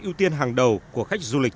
ưu tiên hàng đầu của khách du lịch